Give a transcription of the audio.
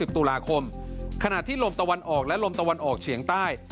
ตุลาคมขณะที่ลมตะวันออกและลมตะวันออกเฉียงใต้